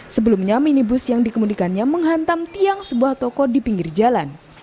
sebelumnya minibus yang dikemudikannya menghantam tiang sebuah toko di pinggir jalan